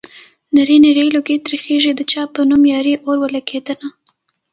نری نری لوګی ترې خيږي د چا په نوې يارۍ اور ولګېدنه